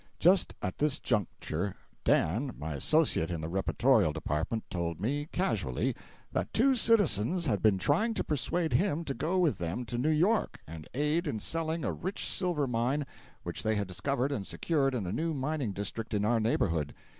Just at this juncture, Dan, my associate in the reportorial department, told me, casually, that two citizens had been trying to persuade him to go with them to New York and aid in selling a rich silver mine which they had discovered and secured in a new mining district in our neighborhood.